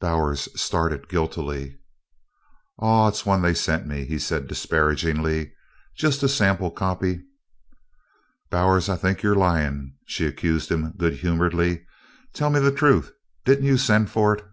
Bowers started guiltily. "Aw it's one they sent me," he said disparagingly "jest a sample copy." "Bowers, I think you're lying," she accused him good humoredly. "Tell me the truth didn't you send for it?"